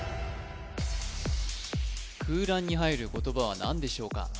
空欄に入る言葉は何でしょうか？